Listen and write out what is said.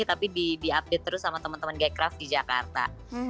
tapi di update terus sama teman teman g craft di jakarta